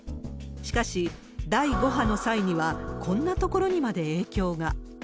しかし、第５波の際にはこんなところにまで影響が。